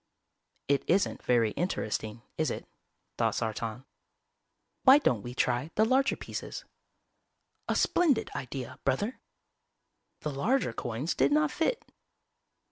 "It isn't very interesting, is it?" thought Sartan. "Why don't we try the larger pieces?" "A splendid idea, Brother." The larger coins did not fit.